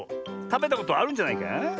たべたことあるんじゃないか？